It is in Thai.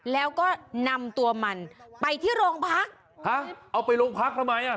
แล้วก็นำตัวมันไปที่โรงพักฮะเอาไปโรงพักทำไมอ่ะ